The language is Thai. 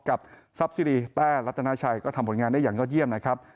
ทรัพย์ซิรีแต้รัตนาชัยก็ทำผลงานได้อย่างยอดเยี่ยมนะครับ